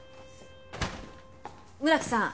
村木さん。